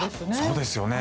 そうですよね。